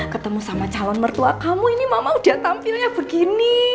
ketemu sama calon mertua kamu ini mau dia tampilnya begini